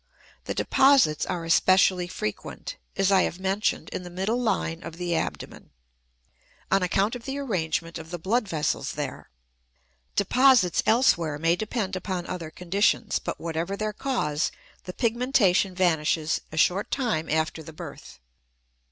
The deposits are especially frequent, as I have mentioned, in the middle line of the abdomen, on account of the arrangement of the blood vessels there. Deposits elsewhere may depend upon other conditions; but whatever their cause the pigmentation vanishes a short time after the birth.